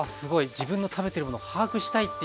自分の食べてるもの把握したいっていう理由で。